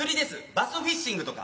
バスフィッシングとか。